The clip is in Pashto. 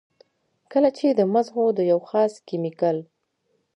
کله چې د مزغو د يو خاص کېميکل